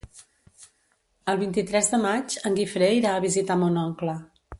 El vint-i-tres de maig en Guifré irà a visitar mon oncle.